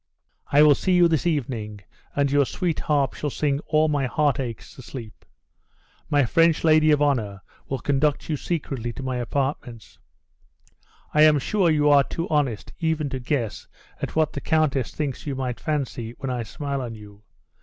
"I will see you this evening, and your sweet harp shall sing all my heart aches to sleep. My French lady of honor will conduct you secretly to my apartments. I am sure you are too honest even to guess at what the countess thinks you might fancy when I smile on you.